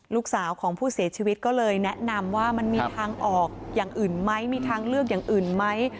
ลูกสาวของผู้เสียชีวิตก็เลยแนะนำว่ามันมีทางออกอย่างอื่นไหมมีทางเลือกอย่างอื่นไหม